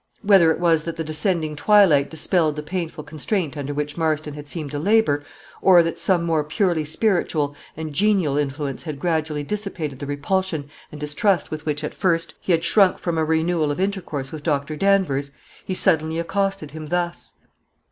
Whether it was that the descending twilight dispelled the painful constraint under which Marston had seemed to labor, or that some more purely spiritual and genial influence had gradually dissipated the repulsion and distrust with which, at first, he had shrunk from a renewal of intercourse with Dr. Danvers, he suddenly accosted him thus.